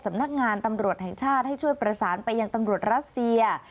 สำนักงานตำรวจแห่งชาติให้ช่วยประสานไปยังตำรวจรัสเซีย